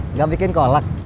nggak bikin kolak